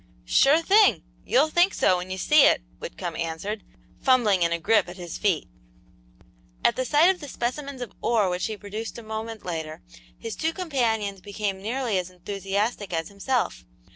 "Sure thing! You'll think so when you see it," Whitcomb answered, fumbling in a grip at his feet. At sight of the specimens of ore which he produced a moment later, his two companions became nearly as enthusiastic as himself.